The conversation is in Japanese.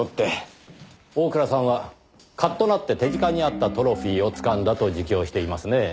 大倉さんはカッとなって手近にあったトロフィーをつかんだと自供していますねぇ。